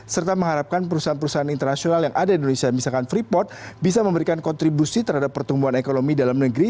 serta mengharapkan perusahaan perusahaan internasional yang ada di indonesia misalkan freeport bisa memberikan kontribusi terhadap pertumbuhan ekonomi dalam negeri